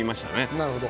なるほど。